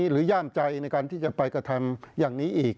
ด้วยหล่อหลังใจไว้กระทำอย่างนี้อีก